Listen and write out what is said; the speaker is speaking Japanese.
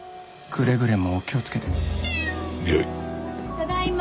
ただいま。